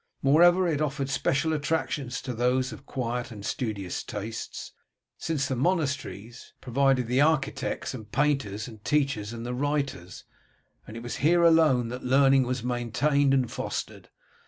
Moreover, it offered special attractions to those of quiet and studious tastes, since the monasteries provided the architects and the painters, the teachers and the writers, and it was here alone that learning was maintained and fostered.